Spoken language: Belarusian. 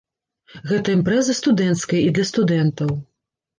Гэта імпрэза студэнцкая і для студэнтаў.